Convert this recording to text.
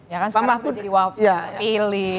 ya kan sekarang sudah dipilih